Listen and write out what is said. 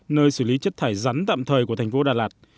nơi xử lý chất thải rắn tạm thời của thành phố đà lạt